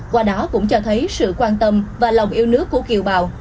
qua đó cũng cho thấy sự quan tâm và lòng yêu nước của kiều bào